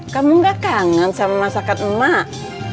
kamu gak kangen sama masakan emak